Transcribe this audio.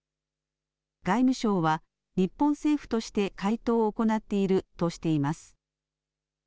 外務省は、日本政府として回答を行っているとしています。